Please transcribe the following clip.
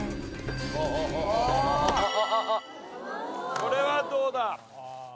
これはどうだ？